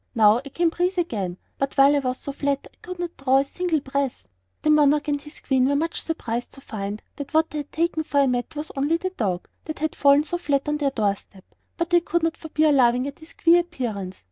Now I can breathe again, but while I was so flat I could not draw a single breath." The monarch and his Queen were much surprised to find that what they had taken for a mat was only the dog, that had fallen so flat on their door step; but they could not forbear laughing at his queer appearance.